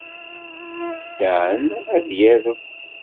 Dan ad yarem.